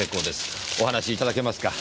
お話しいただけますか？